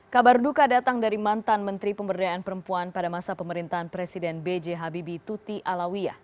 kabar duka datang dari mantan menteri pemberdayaan perempuan pada masa pemerintahan presiden b j habibie tuti alawiyah